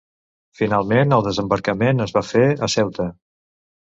Finalment el desembarcament es va fer a Ceuta.